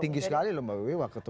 tinggi sekali loh mbak wibi waketum itu